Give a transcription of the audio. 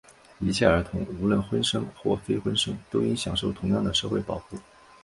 一切儿童,无论婚生或非婚生,都应享受同样的社会保护。